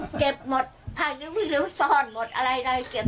มันเก็บหมดภายในลิวสับหมดอะไรเก็บหมด